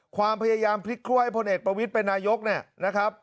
ความพยายามพลิกคล้วยพลเอกประวิทธิ์เป็นนายกนะครับ